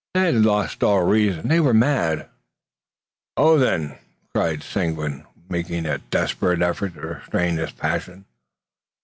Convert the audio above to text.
They had lost all reason. They were mad. "On, then!" cried Seguin, making a desperate effort to restrain his passion.